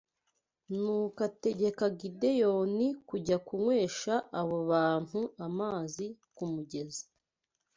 Nuko ategeka Gideyoni kujya kunywesha abo bantu amazi ku mugezi